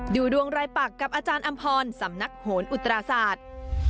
ดูดวงรายปักกับอาจารย์อำพรสำนักโหนอุตราศาสตร์